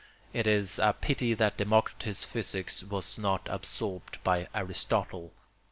It is a pity that Democritus' physics was not absorbed by Aristotle.